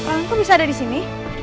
aku bisa ada disini